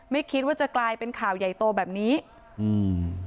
ไม่คิดว่าจะกลายเป็นข่าวใหญ่โตแบบนี้อืม